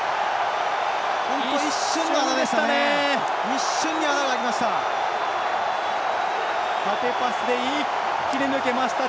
一瞬でした。